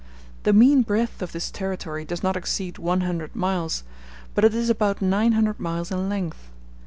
The mean breadth of this territory does not exceed one hundred miles; but it is about nine hundred miles in length.